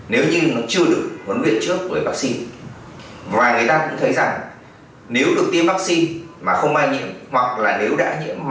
nếu như nó chưa được huấn luyện trước với vắc xin và người ta cũng thấy rằng nếu được tiêm vắc xin mà không ai nhiễm thì người ta cũng thấy rằng nếu được tiêm vắc xin mà không ai nhiễm